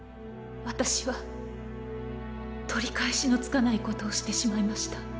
私は取り返しのつかないことをしてしまいました。